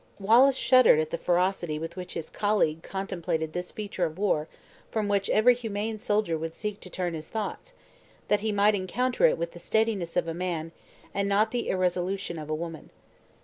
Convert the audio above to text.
Wallace shuddered at the ferocity with which his colleague contemplated this feature of war from which every humane soldier would seek to turn his thoughts, that he might encounter it with the steadiness of a man, and not the irresolution of a woman.